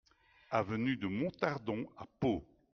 Avenue de Montardon à Pau